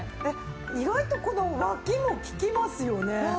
意外とこのわきも利きますよね。